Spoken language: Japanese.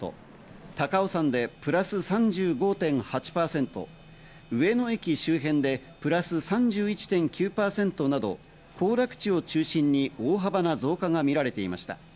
高尾山でプラス３５．８％、上野駅周辺でプラス３１．９％など行楽地を中心に大幅な増加がみられていました。